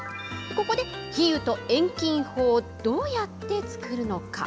ここで比喩と遠近法、どうやって作るのか。